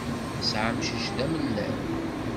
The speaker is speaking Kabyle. Nesεa amcic d amellal.